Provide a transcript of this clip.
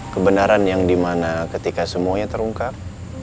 kebenaran yang dimana ketika semuanya terungkap